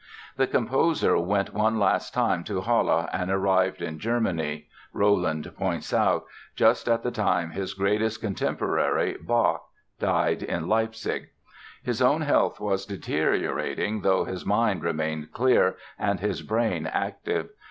The composer went one last time to Halle and arrived in Germany, Rolland points out, just at the time his greatest contemporary, Bach, died in Leipzig. His own health was deteriorating, though his mind remained clear and his brain active.